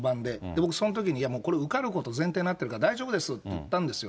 僕そのときにいや、もうこれ、受かること前提になってるから大丈夫ですよって言ったんですよ。